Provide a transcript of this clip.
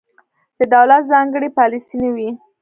د دولت ځانګړې پالیسي نه وي.